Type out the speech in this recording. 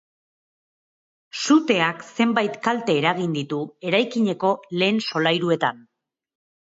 Suteak zenbait kalte eragin ditu eraikineko lehen solairuetan.